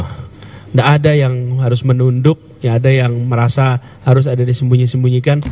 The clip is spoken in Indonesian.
tidak ada yang harus menunduk ya ada yang merasa harus ada disembunyi sembunyikan